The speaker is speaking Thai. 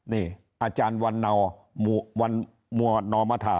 นี่อาจารย์วันนอมธา